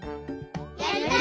やりたい！